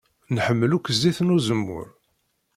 Nḥemmel akk zzit n uzemmur.